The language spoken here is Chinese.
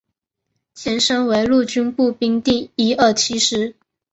前身为陆军步兵第一二七师